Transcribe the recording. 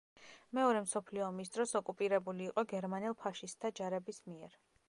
მეორე მსოფლიო ომის დროს ოკუპირებული იყო გერმანელ ფაშისტთა ჯარების მიერ.